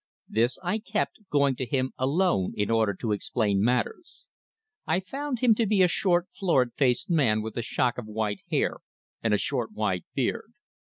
This I kept, going to him alone in order to explain matters. I found him to be a short, florid faced man with a shock of white hair and a short white beard.